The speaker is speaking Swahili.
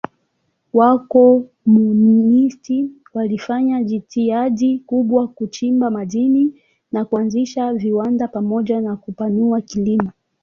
Wakomunisti walifanya jitihada kubwa kuchimba madini na kuanzisha viwanda pamoja na kupanua kilimo.